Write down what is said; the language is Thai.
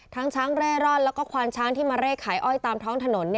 ช้างเร่ร่อนแล้วก็ควานช้างที่มาเร่ขายอ้อยตามท้องถนน